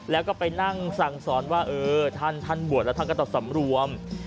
แล้วก็ไปนั่งสั่งสอนว่าเออท่านท่านบวชแล้วท่านก็ต้องสำรวม